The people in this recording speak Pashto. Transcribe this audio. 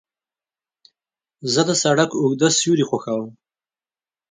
زه د سړک اوږده سیوري خوښوم.